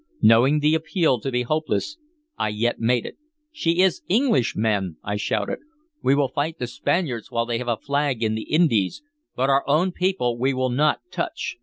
Knowing the appeal to be hopeless, I yet made it. "She is English, men!" I shouted. "We will fight the Spaniards while they have a flag in the Indies, but our own people we will not touch!"